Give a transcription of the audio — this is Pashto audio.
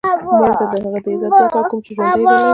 مړه ته د هغه عزت دعا کوو کوم یې چې ژوندی لرلو